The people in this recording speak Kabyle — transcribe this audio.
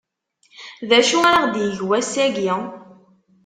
D acu ara ɣ-d-yeg wass-agi?